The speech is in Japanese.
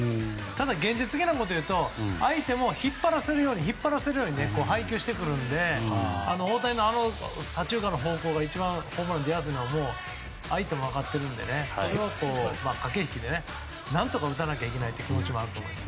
ただ、現実的なことを言うと相手も引っ張らせるように配球してくるので大谷の左中間の方向が一番、出やすいのは相手も分かっているのでそこは駆け引きで何とか打たなきゃいけないという気持ちもあると思います。